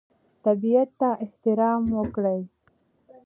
طبیعت ته احترام وکړئ.